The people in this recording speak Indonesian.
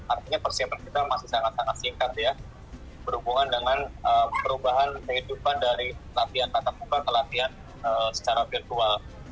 artinya persiapan kita masih sangat sangat singkat ya berhubungan dengan perubahan kehidupan dari latihan tatap muka ke latihan secara virtual